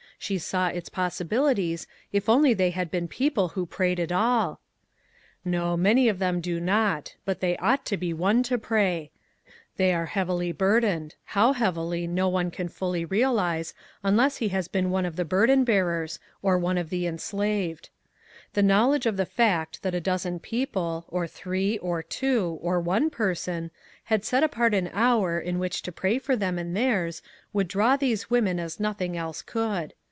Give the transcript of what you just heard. She saw its possibilities, if only they had been people who prayed at all! " No, many of them do not ; but they 106 LOGIC. ID/ ought to be won to pray. They are heav ily burdened — how heavily no one can fully realize, unless he has been one of the bur den bearers, or one of the enslaved. The knowledge of the fact that a dozen people, or three, or two, or one person, had set apart an hour in which to pray for them and theirs would draw these women as nothing else could.